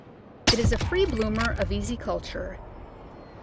It is a free bloomer of easy culture.